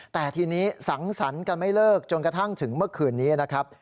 แต่ทีนี้สังสรรค์กันไม่เลิกจนกระทั่งถึงเมื่อคืนนี้นะครับ